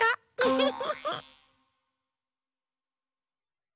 フフフフ。